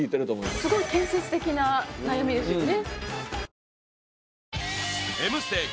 すごい建設的な悩みですよね。